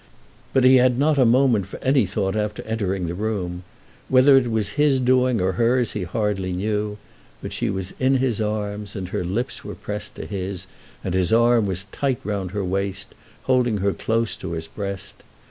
But he had not a moment for any thought after entering the room. Whether it was his doing or hers he hardly knew; but she was in his arms, and her lips were pressed to his, and his arm was tight round her waist, holding her close to his breast.